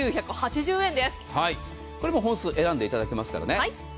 これも本数選んでいただけますからね。